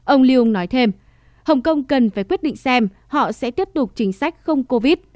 ông liêu nói thêm hồng kông cần phải quyết định xem họ sẽ tiếp tục chính sách không covid